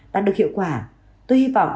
đã được hiệu quả tôi hy vọng